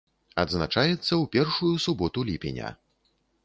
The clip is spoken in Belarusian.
Адзначаецца ў першую суботу ліпеня.